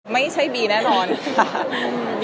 ไม่ใช่บีแน่นอนค่ะ